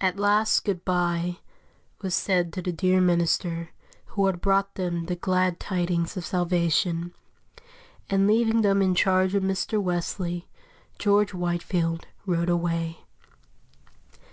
At last "good bye" was said to the dear minister who had brought them the glad tidings of salvation, and leaving them in charge of Mr. Wesley, George Whitefield rode away.